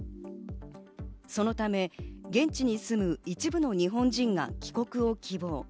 そのため現地に住む一部の日本人が帰国を希望。